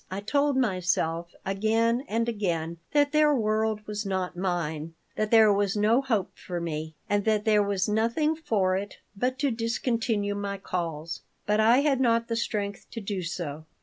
I told myself again and again that their world was not mine, that there was no hope for me, and that there was nothing for it but to discontinue my calls, but I had not the strength to do so.